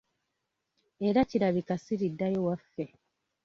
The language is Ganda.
Era kirabika siriddayo waffe.